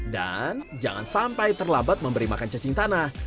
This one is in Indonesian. dan jangan sampai terlambat memberi makan cacing tanah